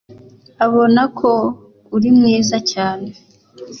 abona ko urimwiza cyane.